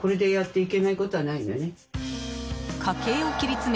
家計を切り詰め